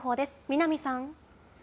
南さん。